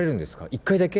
１回だけ？